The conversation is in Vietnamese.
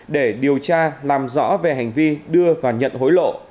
để điều tra làm rõ về hành vi đưa và nhận hối lộ